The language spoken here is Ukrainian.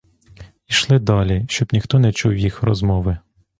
Ішли далі, щоб ніхто не чув їх розмови.